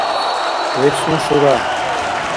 вецӀну шура